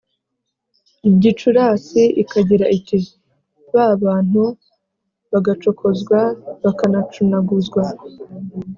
Gicurasi ikagira iti ba Abantu bagacokozwa bakanacunaguzwa